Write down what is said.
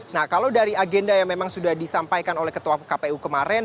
nah kalau dari agenda yang memang sudah disampaikan oleh ketua kpu kemarin